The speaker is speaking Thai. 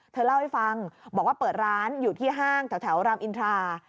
เธอเล่าให้ฟังบอกว่าเปิดร้านอยู่ที่ห้างแถวรามอินทรา